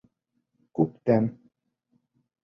Күптән!